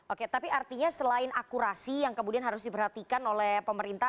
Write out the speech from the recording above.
oke tapi artinya selain akurasi yang kemudian harus diperhatikan oleh pemerintah